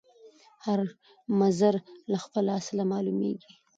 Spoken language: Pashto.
هر مضر له خپله اصله معلومیږي